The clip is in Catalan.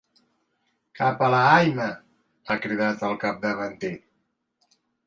Cap a la Haima! —ha cridat el capdavanter.